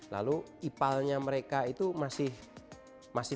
lalu ipalnya mereka itu masih